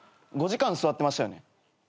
５時間座ってましたよね？